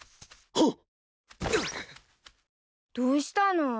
どうしたの？